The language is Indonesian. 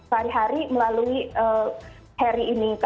hari hari melalui heri ini